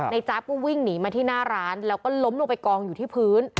จ๊าบก็วิ่งหนีมาที่หน้าร้านแล้วก็ล้มลงไปกองอยู่ที่พื้น